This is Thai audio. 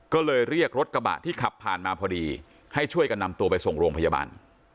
ก็เลยเรียกรถกระบะที่ขับผ่านมาพอดีให้ช่วยกันนำตัวไปส่งโรงพยาบาล